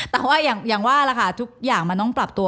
แต่ว่าอย่างว่าล่ะค่ะทุกอย่างมันต้องปรับตัว